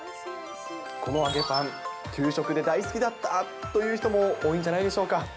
この揚げパン、給食で大好きだったという人も多いんじゃないでしょうか。